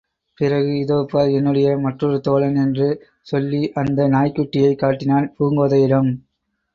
பிறகு இதோபார் என்னுடைய மற்றொரு தோழன், என்று சொல்லி அந்த நாய்க்குட்டியைக் காட்டினான் பூங்கோதையிடம்.